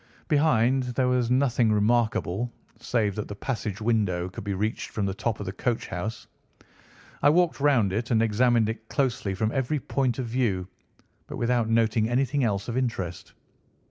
Behind there was nothing remarkable, save that the passage window could be reached from the top of the coach house. I walked round it and examined it closely from every point of view, but without noting anything else of interest.